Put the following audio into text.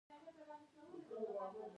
له همدې کبله د اضافي ارزښت بیه لوړېږي